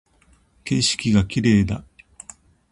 景色が綺麗だ